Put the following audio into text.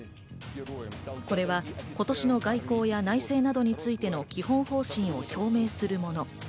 これは今年の外交や内政などについての基本方針を表明するもの。